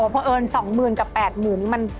อ๋อเพราะเอิญ๒หมื่นกับ๘หมื่นมัน